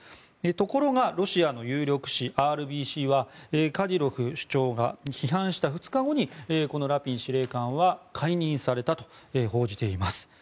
ところが、ロシアの有力紙ＲＢＣはカディロフ首長が批判した２日後にラピン司令官は解任されたと報じています。